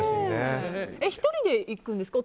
１人で行くんですか？